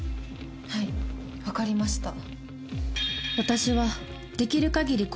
はいわかりました